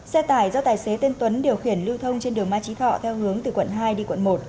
xe tải do tài xế tên tuấn điều khiển lưu thông trên đường mai trí thọ theo hướng từ quận hai đi quận một